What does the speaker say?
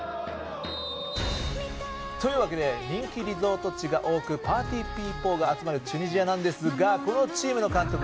というわけで人気リゾート地が多くパーティーピーポーが集まるチュニジアなんですがこのチームの監督